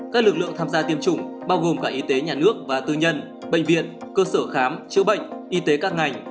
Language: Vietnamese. các lực lượng tham gia tiêm chủng bao gồm cả y tế nhà nước và tư nhân bệnh viện cơ sở khám chữa bệnh y tế các ngành